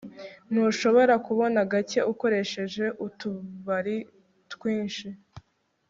Ntushobora kubona gake ukoresheje utubari twinshi